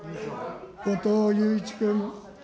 後藤祐一君。